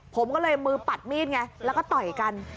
ผมก็เลยมือปัดมีดไงแล้วก็ต่อยกัน